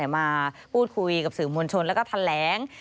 มาพูดคุยกับสินคมวัญชนและก็แถลง